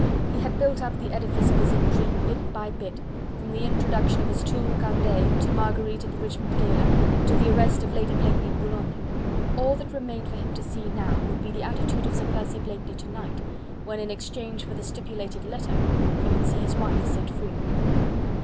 He had built up the edifice of his intrigue, bit by bit, from the introduction of his tool, Candeille, to Marguerite at the Richmond gala, to the arrest of Lady Blakeney in Boulogne. All that remained for him to see now, would be the attitude of Sir Percy Blakeney to night, when, in exchange for the stipulated letter, he would see his wife set free.